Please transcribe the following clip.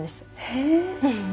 へえ。